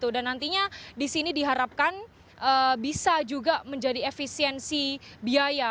dan nantinya di sini diharapkan bisa juga menjadi efisiensi biaya